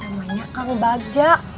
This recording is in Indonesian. namanya kang bajak